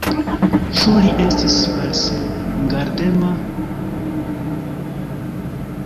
Ĉu li estis malsingardema?